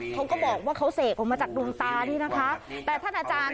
เจ้าหูบอกดูตะอาจารย์